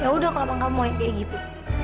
ya udah kalau kamu mau kayak gitu